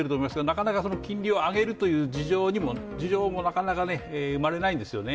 金利を上げるという事情もなかなか生まれないんですよね。